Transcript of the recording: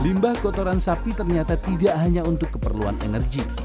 limbah kotoran sapi ternyata tidak hanya untuk keperluan energi